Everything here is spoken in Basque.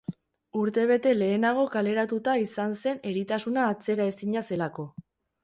Urtebete lehenago kaleratua izan zen eritasuna atzeraezina zelako.